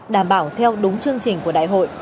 đảm bảo theo đúng chương trình của đại hội